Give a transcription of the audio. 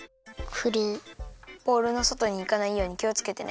ボウルのそとにいかないようにきをつけてね。